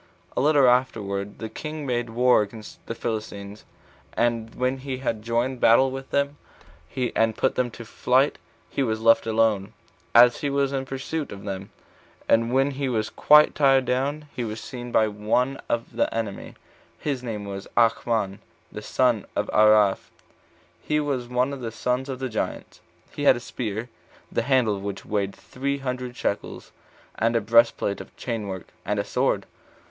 A little afterward the king made war against the Philistines; and when he had joined battle with them, and put them to flight, he was left alone, as he was in pursuit of them; and when he was quite tired down, he was seen by one of the enemy, his name was Achmon, the son of Araph, he was one of the sons of the giants. He had a spear, the handle of which weighed three hundred shekels, and a breastplate of chain work, and a sword.